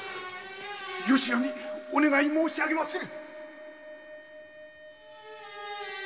〔よしなにお願い申し上げまする〕